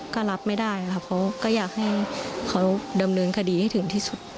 ก็รับไม่ได้ค่ะเขาก็อยากให้เขาดำเนินคดีให้ถึงที่สุด